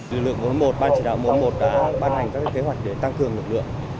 lực lượng một trăm bốn mươi một ban chỉ đạo một trăm bốn mươi một đã ban hành các kế hoạch để tăng cường lực lượng